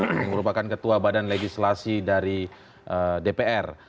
yang merupakan ketua badan legislasi dari dpr